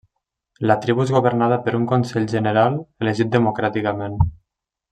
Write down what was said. La tribu és governada per un consell general elegit democràticament.